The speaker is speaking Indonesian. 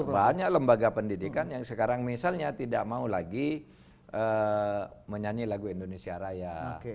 banyak lembaga pendidikan yang sekarang misalnya tidak mau lagi menyanyi lagu indonesia raya